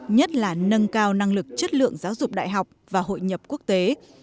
nhất là nâng cao năng lực chất lượng giáo dục đại học và hội nhập quốc tế